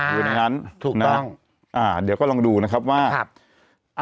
อยู่ในนั้นถูกต้องอ่าเดี๋ยวก็ลองดูนะครับว่าครับอ่า